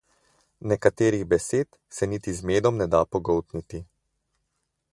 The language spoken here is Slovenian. Nekaterih besed se niti z medom ne da pogoltniti.